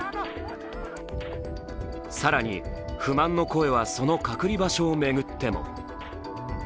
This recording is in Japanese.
更に、不満の声はその隔離場所を巡っても。